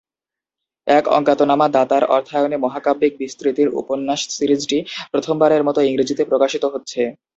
এক অজ্ঞাতনামা দাতার অর্থায়নে মহাকাব্যিক বিস্তৃতির উপন্যাস সিরিজটি প্রথমবারের মতো ইংরেজিতে প্রকাশিত হচ্ছে।